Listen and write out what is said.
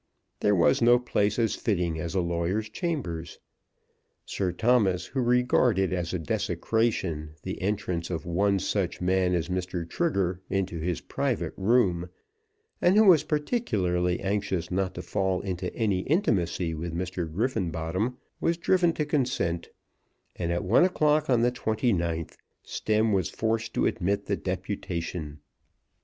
There was no place so fitting as a lawyer's chambers. Sir Thomas, who regarded as a desecration the entrance of one such man as Mr. Trigger into his private room, and who was particularly anxious not to fall into any intimacy with Mr. Griffenbottom, was driven to consent, and at one o'clock on the 29th, Stemm was forced to admit the deputation.